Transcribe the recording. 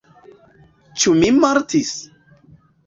Ĉu mi mortis?